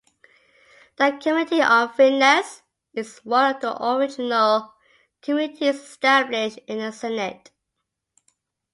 The Committee on Finance is one of the original committees established in the Senate.